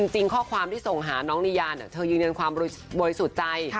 จริงข้อความที่ส่งหาน้องนิยาเธอยืนยันความบริสุทธิ์ใจ